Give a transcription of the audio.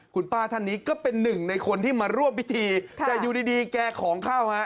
คุณป้าท่านนี้ก็เป็นหนึ่งในคนที่มาร่วมพิธีแต่อยู่ดีดีแกของเข้าฮะ